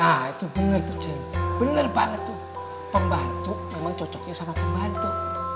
ah itu bener tuh cent bener banget tuh pembantu memang cocoknya sama pembantu